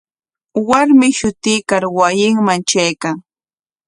Warmi shutuykar wasinman traykan.